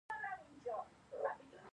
هغه به له غور وروسته خپله پرېکړه اوروله.